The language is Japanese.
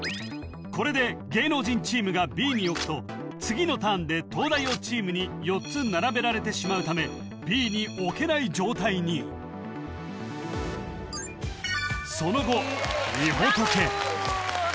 これで芸能人チームがＢに置くと次のターンで東大王チームに４つ並べられてしまうためＢに置けない状態にその後みほとけ